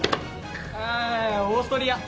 あオーストリア！